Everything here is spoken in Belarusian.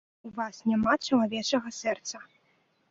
У вас няма чалавечага сэрца.